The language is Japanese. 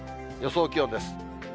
予想気温です。